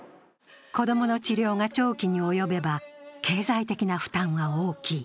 子供の治療が長期におよべば経済的な負担は大きい。